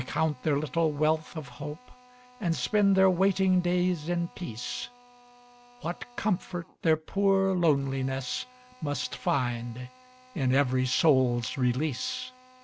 They count their little wealth of hope And spend their waiting days in peace, What comfort their poor loneliness Must find in every soul's release!